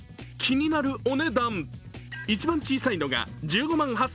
気になるお値段一番小さいのが１５万８０００円。